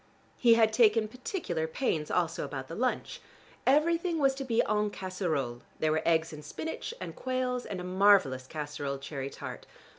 He had taken particular pains also about the lunch: everything was to be en casserole; there were eggs in spinach, and quails, and a marvelous casseroled cherry tart.